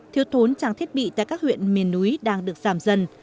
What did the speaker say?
thiếu thốn trang thiết bị tại các huyện miền núi đang được giảm dần